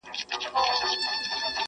آیتونه د رحمان راته واخله,